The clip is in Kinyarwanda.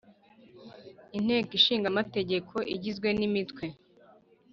Inteko Ishinga Amategeko igizwe n Imitwe